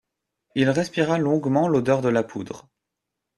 Il respira longuement l'odeur de la poudre.